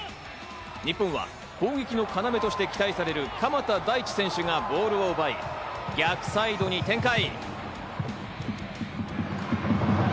日本は攻撃の要として期待される、鎌田大地選手がボールを奪い、逆サイドに展開。